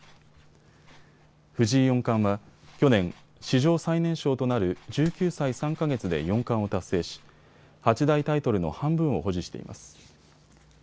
藤井四冠は去年、史上最年少となる１９歳３か月で四冠を達成し、八大タイトルの半分を保持しています。